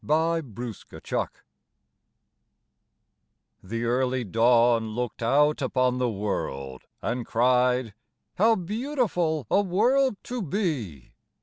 "A DAY IN JUNE" The Early Dawn looked out upon the world And cried, "How beautiful a world to be!"